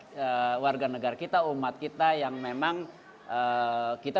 mereka tidak suka mereka adalah warga negara warga negara kita umat kita yang memang kita